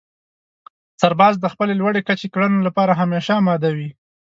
سرباز د خپلې لوړې کچې کړنو لپاره همېشه اماده وي.